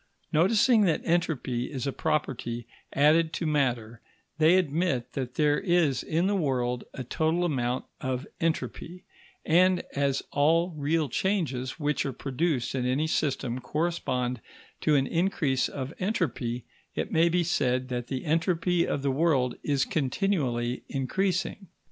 Noticing that entropy is a property added to matter, they admit that there is in the world a total amount of entropy; and as all real changes which are produced in any system correspond to an increase of entropy, it may be said that the entropy of the world is continually increasing.